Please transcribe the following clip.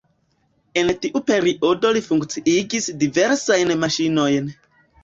En tiu periodo li funkciigis diversajn maŝinojn.